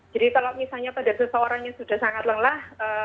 jadi kalau misalnya pada seseorang yang sudah sangat lelah